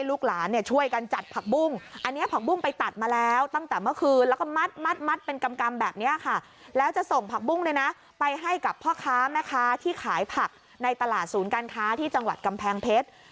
แล้วจะส่งผักบุ้งเลยนะไปให้กับพ่อค้าแม่ค้าที่ขายผักในตลาดศูนย์การค้าที่จังหวัดกำแพงเพชร